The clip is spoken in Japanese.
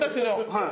はい。